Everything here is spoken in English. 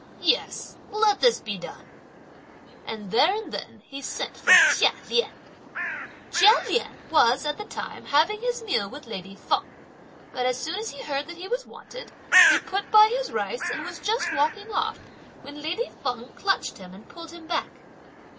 Yes, let this be done!" And there and then he sent for Chia Lien. Chia Lien was, at the time, having his meal with lady Feng, but as soon as he heard that he was wanted, he put by his rice and was just walking off, when lady Feng clutched him and pulled him back.